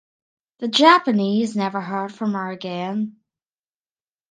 The Japanese never heard from her again.